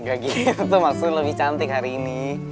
gak gitu maksudnya lebih cantik hari ini